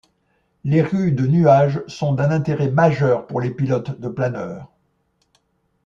Les rues de nuages sont d'un intérêt majeur pour les pilotes de planeur.